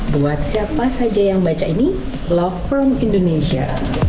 buat siapa saja yang baca ini love from indonesia